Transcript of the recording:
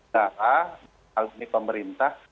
daah hal ini pemerintah